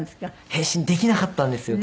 変身できなかったんですよ。